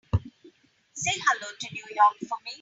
Say hello to New York for me.